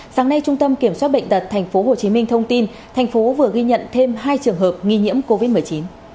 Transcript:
sáng nay trung tâm kiểm soát bệnh tật tp hcm thông tin thành phố vừa ghi nhận thêm hai trường hợp nghi nhiễm covid một mươi chín